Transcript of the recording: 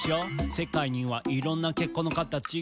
「世界にはいろんな結婚の形がある」